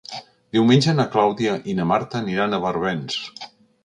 Diumenge na Clàudia i na Marta aniran a Barbens.